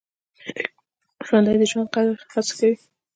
ژوندي د ژوند د قدر هڅه کوي